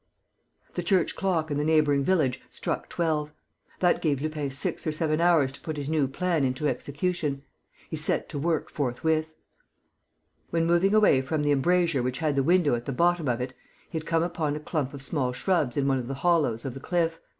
The church clock in a neighbouring village struck twelve. That gave Lupin six or seven hours to put his new plan into execution. He set to work forthwith. When moving away from the embrasure which had the window at the bottom of it, he had come upon a clump of small shrubs in one of the hollows of the cliff.